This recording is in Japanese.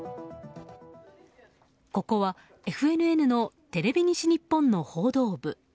ここはＦＮＮのテレビ西日本の報道部。